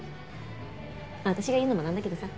私が言うのもなんだけどさ。